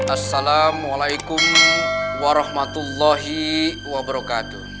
assalamualaikum warahmatullahi wabarakatuh